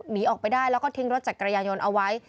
หนีออกไปได้แล้วก็ทิ้งรถจักรยายนต์เอาไว้